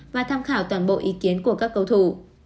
và tham khảo toàn bộ ý kiến của các cầu thủ